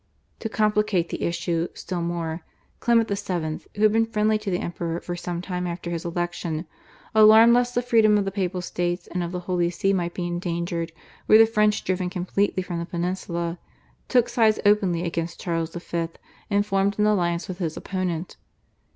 To complicate the issue still more, Clement VII., who had been friendly to the Emperor for some time after his election, alarmed lest the freedom of the Papal States and of the Holy See might be endangered were the French driven completely from the peninsula, took sides openly against Charles V. and formed an alliance with his opponent.